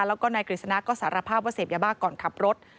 แล้วก็นายกฤษณะก็สารภาพว่าเสพยาบ้าก่อนขับรถ